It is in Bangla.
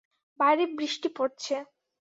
বাইরে বৃষ্টি পড়ছে।